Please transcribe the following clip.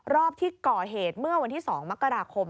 รอบที่ก่อเหตุเมื่อวันที่๒มกราคม